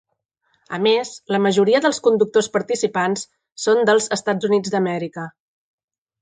A més, la majoria dels conductors participants són dels EUA.